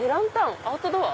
アウトドア？